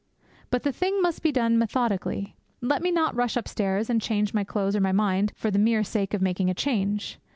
But the thing must be done methodically. Let me not rush upstairs and change either my clothes or my mind for the mere sake of making a change.